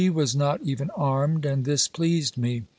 was not even armed, and this pleased me.